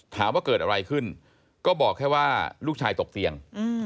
ถามว่าเกิดอะไรขึ้นก็บอกแค่ว่าลูกชายตกเตียง